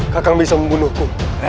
kakak bisa membunuhku